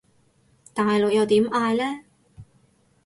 大陸又點嗌呢？